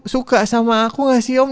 suka sama aku gak sih om